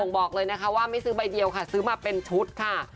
บอกเลยนะคะว่าไม่ซื้อใบเดียวค่ะซื้อมาเป็นชุดค่ะ